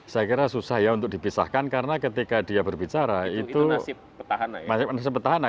saya kira susah ya untuk dipisahkan karena ketika dia berbicara itu masih petahana